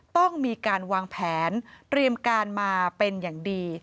ต้องมีการวางแผนเตรียมการมาเป็นอย่างดี